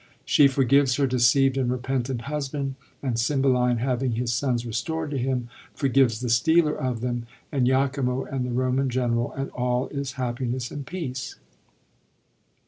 She forgives her deceivd and repentant husband; and Oymbeline, having his sons restored to him, forgives the stealer of them, and lachimo and the Boman general, and all is happiness and peace.